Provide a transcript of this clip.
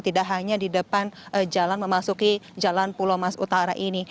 tidak hanya di depan jalan memasuki jalan pulau mas utara ini